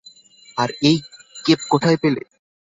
আর এই কেপ কোথায় পেলে?